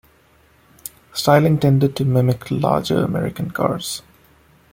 Styling tended to mimic larger American cars.